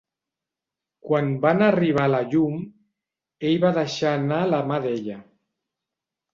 Quan van arribar a la llum, ell va deixar anar la mà d'ella.